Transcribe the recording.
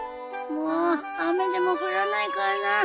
もう雨でも降らないかなあ。